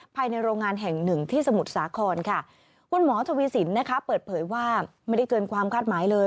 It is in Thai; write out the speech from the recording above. ภายในโรงงานแห่งหนึ่งที่สมุทรสาครค่ะคุณหมอทวีสินนะคะเปิดเผยว่าไม่ได้เกินความคาดหมายเลย